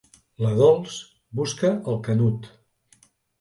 La Dols busca el Canut.